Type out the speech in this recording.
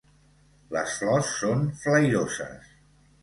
Les flors són flairoses.